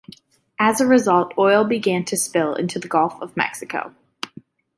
As a result, oil began to spill into the Gulf of Mexico.